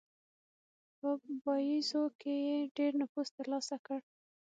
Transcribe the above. په باییزو کې یې ډېر نفوذ ترلاسه کړ.